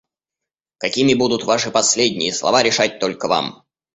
Какими будут ваши последние слова, решать только вам.